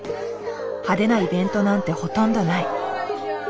派手なイベントなんてほとんどない。